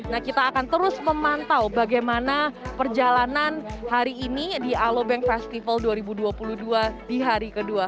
nah kita akan terus memantau bagaimana perjalanan hari ini di alobank festival dua ribu dua puluh dua di hari kedua